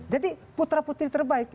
jadi putra putri terbaik